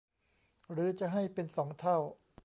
หรือจะให้เป็นสองเท่า